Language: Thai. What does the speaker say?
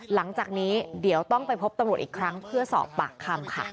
หลังจากนี้เดี๋ยวต้องไปพบตำรวจอีกครั้งเพื่อสอบปากคำค่ะ